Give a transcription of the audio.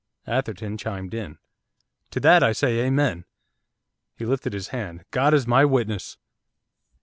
Atherton chimed in. 'To that I say, Amen!' He lifted his hand. 'God is my witness!